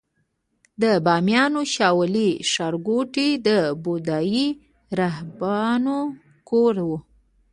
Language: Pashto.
د بامیانو شاولې ښارګوټي د بودايي راهبانو کور و